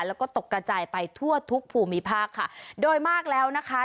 แล้วก็ตกกระจายไปทั่วทุกภูมิภาคค่ะโดยมากแล้วนะคะ